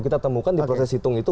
kita temukan di proses hitung itu